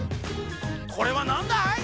これはなんだい？